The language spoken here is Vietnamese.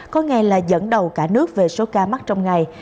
có ngày là dẫn đầu cả nước về số ca mắc trong ngày